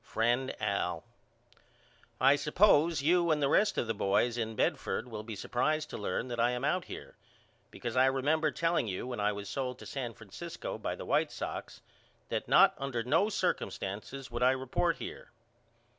FRIEND AL: I suppose you and the rest of the boys in Bedford will be surprised to learn that I am out here, because I remember telling you when I was sold to San Francisco by the White Sox that not under no circumstances would I report here.